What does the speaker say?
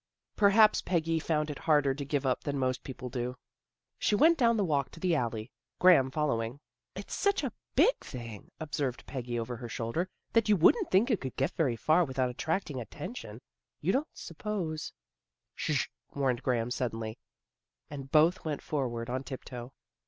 Perhaps Peggy found it harder to give up than most people do. She went down the walk to the alley, Graham following. " It's such a big thing," observed Peggy over her shoulder, " that you wouldn't think it could get very far without attracting attention. You don't suppose " Sh! " warned Graham suddenly, and both went forward on tiptoe.